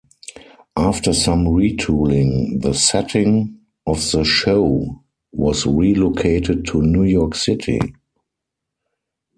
After some retooling, the setting of the show was relocated to New York City.